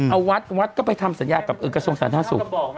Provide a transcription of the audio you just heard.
เอาวัดวัดก็ไปทำสัญญากับกระทรวงสาธารณสุข